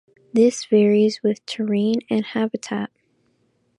This varies with terrain and habitat.